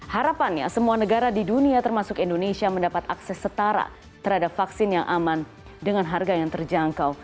harapannya semua negara di dunia termasuk indonesia mendapat akses setara terhadap vaksin yang aman dengan harga yang terjangkau